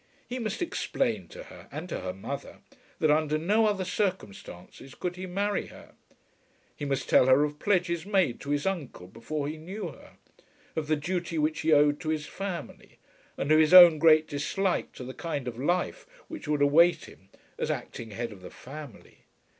He must explain to her, and to her mother, that under no other circumstances could he marry her. He must tell her of pledges made to his uncle before he knew her, of the duty which he owed to his family, and of his own great dislike to the kind of life which would await him as acting head of the family.